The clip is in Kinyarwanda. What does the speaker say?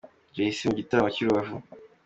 Jay C mu gitaramo cy'i Rubavu.